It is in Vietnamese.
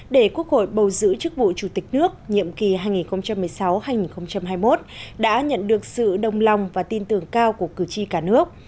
để quốc hội bầu giữ chức vụ chủ tịch nước nhiệm kỳ hai nghìn một mươi sáu hai nghìn hai mươi một đã nhận được sự đồng lòng và tin tưởng cao của cử tri cả nước